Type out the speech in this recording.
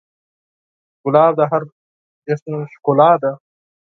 ګلاب د هر جشن ښکلا ده.